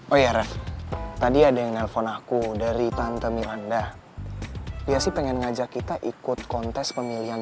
oh ya raff tadi ada yang nelfon aku dari tante miranda ya sih pengen ngajak kita ikut kontes pemilihan